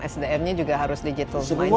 sdm nya juga harus digital